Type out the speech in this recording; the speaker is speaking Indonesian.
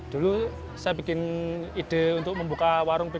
dulu saya bikin ide untuk membuka warung